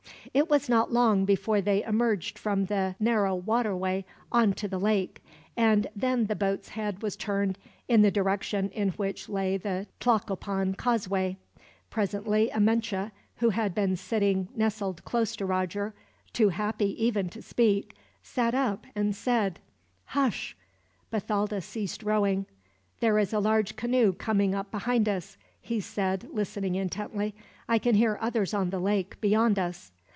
It was not long before they emerged from the narrow water way on to the lake; and then the boat's head was turned in the direction in which lay the Tlacopan causeway. Presently Amenche, who had been sitting nestled close to Roger too happy even to speak sat up and said: "Hush!" Bathalda ceased rowing. "There is a large canoe coming up behind us," he said, listening intently. "I can hear others on the lake, beyond us."